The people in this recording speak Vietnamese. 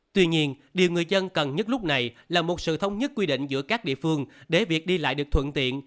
tuy nhiên điều người dân cần nhất lúc này là một sự thống nhất quy định giữa các địa phương để việc đi lại được thuận tiện